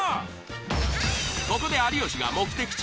ここで有吉が目的地